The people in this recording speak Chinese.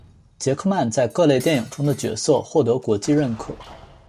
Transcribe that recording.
杰克曼在各类电影中的角色获得国际认可。